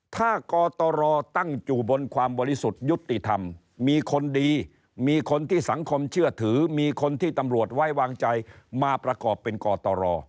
ถ้ากตรตั้งอยู่บนความบริสุทธิ์ยุติธรรมมีคนดีมีคนที่สังคมเชื่อถือมีคนที่ตำรวจไว้วางใจมาประกอบเป็นกตร